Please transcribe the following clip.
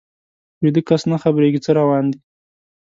ویده کس نه خبریږي څه روان دي